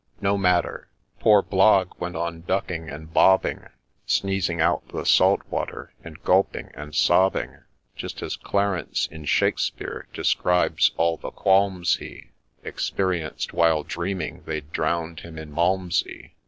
— No matter, — poor Blogg went on ducking and bobbing, Sneezing out the salt water, and gulping and sobbing, Just as Clarence, in Shakspear, describes all the qualms he Experienced while dreaming they'd drown'd him in Malmsey.